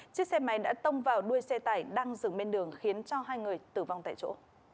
chiếc xe máy đã tông vào đuôi xe tải đang dừng bên đường khiến cho hai người tử vong tại chỗ